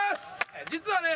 実はね